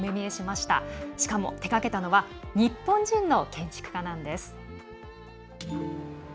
しかも、手がけたのは日本人の建築家なんです。